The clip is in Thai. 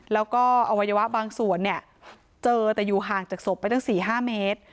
แล้วก็อวัยวะบางส่วนเนี่ยเจอแต่อยู่ห่างจากศพไปตั้ง๔๕เมตร